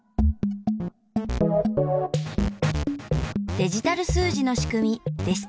デジタル数字のしくみでした。